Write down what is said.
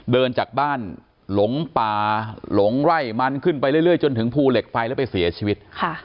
เดินจากบ้านหลงป่าหลงไร่มันขึ้นไปเรื่อยจนถึงภูเหล็กไฟแล้วไปเสียชีวิต